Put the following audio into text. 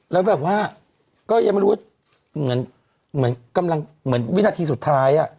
แล้วแบบว่าก็ยังไม่รู้คือเหมือนวินาทีสุดท้าย